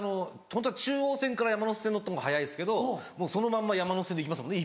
ホントは中央線から山手線乗ったほうが早いですけどそのまんま山手線で行きますもんね